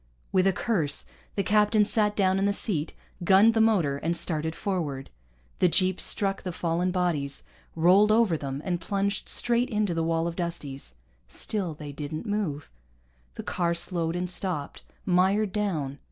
With a curse the captain sat down in the seat, gunned the motor, and started forward. The jeep struck the fallen bodies, rolled over them, and plunged straight into the wall of Dusties. Still they didn't move. The car slowed and stopped, mired down.